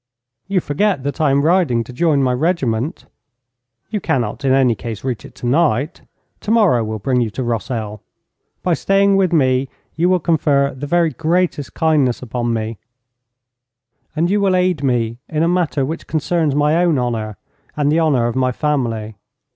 'You forget that I am riding to join my regiment.' 'You cannot, in any case, reach it tonight. Tomorrow will bring you to Rossel. By staying with me you will confer the very greatest kindness upon me, and you will aid me in a matter which concerns my own honour and the honour of my family.